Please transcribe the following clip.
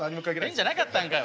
ペンじゃなかったんかい。